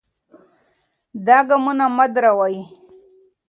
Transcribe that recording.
دا ګامونه مه دروئ.